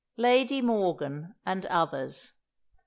431. LADY MORGAN AND OTHERS.